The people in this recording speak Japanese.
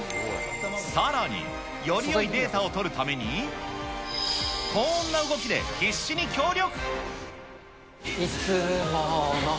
さらに、よりよいデータを取るために、こんな動きで必死に協力。